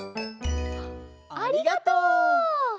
ありがとう！